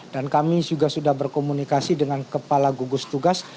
dan kami juga sudah berkomunikasi dengan kepala gugus tugas